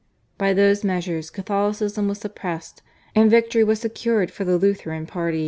By those measures Catholicism was suppressed, and victory was secured for the Lutheran party.